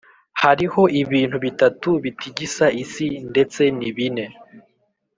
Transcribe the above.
Hariho ibintu bitatu bitigisa isi Ndetse ni bine